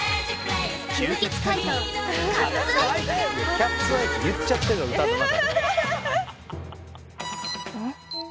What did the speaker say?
「キャッツ・アイ」って言っちゃってるの歌の中で。